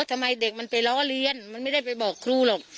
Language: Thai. ทำไมเด็กมันไปล้อเลียนมันไม่ได้ไปบอกครูหรอก